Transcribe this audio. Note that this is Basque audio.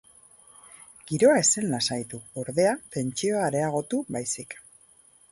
Giroa ez zen lasaitu, ordea, tentsioa areagotu baizik.